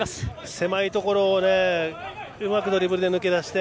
狭いところをうまくドリブルで抜け出して。